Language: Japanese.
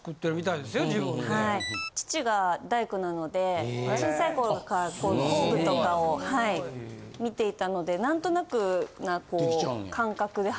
父が大工なので小さい頃から工具とかを見ていたのでなんとなくな感覚で。